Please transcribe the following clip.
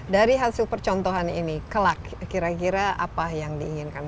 dari hasil percontohan ini kelak kira kira apa yang diinginkan